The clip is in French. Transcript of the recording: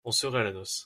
On serait à la noce.